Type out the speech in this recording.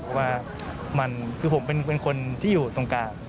เพราะว่าคือผมเป็นคนที่อยู่ตรงกลาง